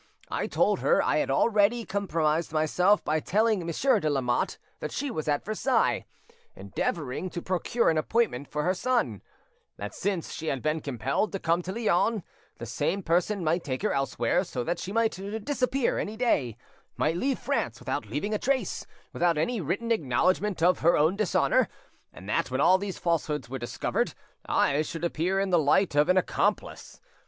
I told her I had already com promised myself by telling Monsieur de Lamotte that she was at Versailles, endeavouring to procure an appointment for her son; that since she had been compelled to come to Lyons, the same person might take her elsewhere, so that she might disappear any day, might leave France without leaving any trace, without any written acknowledgment of her own dishonour; and that when all these falsehoods were discovered, I should appear in the light of an accomplice.